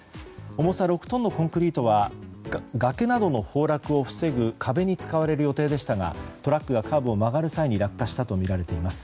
重さ６トンのコンクリートは崖などの崩落を防ぐ壁に使われる予定でしたがトラックがカーブを曲がる際に落下したとみられています。